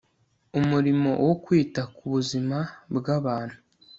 Umurimo wo kwita ku buzima bwabantu